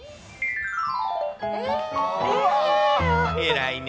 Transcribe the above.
偉いね。